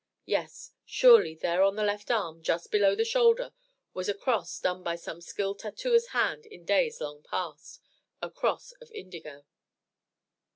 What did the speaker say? Yes, surely, there on the left arm, just below the shoulder, was a cross done by some skilled tattooer's hand in days long past a cross of indigo.